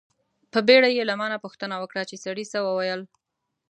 په بیړه یې له ما نه پوښتنه وکړه چې سړي څه و ویل.